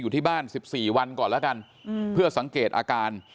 อยู่ที่บ้านสิบสี่วันก่อนแล้วกันอืมเพื่อสังเกตอาการ